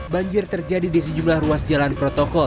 banjir terjadi di sejumlah ruas jalan protokol